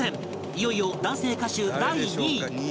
いよいよ男性歌手第２位